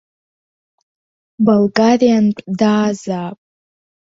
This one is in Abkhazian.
Болгариантә даазаап!